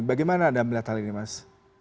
bagaimana anda melihat hal ini mas